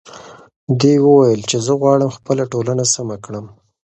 دې وویل چې زه غواړم خپله ټولنه سمه کړم.